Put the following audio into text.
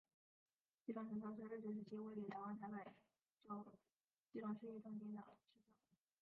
基隆神社是日治时期位在台湾台北州基隆市义重町的神社。